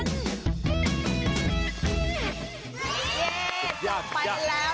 เย้จบไปแล้ว